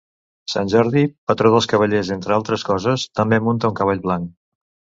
Sant Jordi, patró dels cavallers entre altres coses, també munta un cavall blanc.